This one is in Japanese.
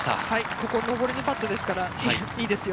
ここは上りのパットですから、いいですよ。